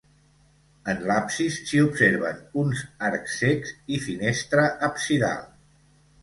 En l'absis s'hi observen uns arcs cecs i finestra absidal.